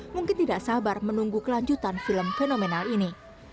mungkin tidak sabar menunggu kelanjutan film fenomenal ini